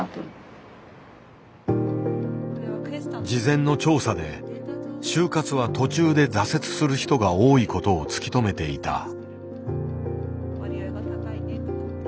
事前の調査で「終活」は途中で挫折する人が多いことを突き止めていた。